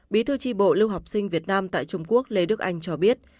bí thư tri bộ lưu học sinh việt nam tại trung quốc lê đức anh cho biết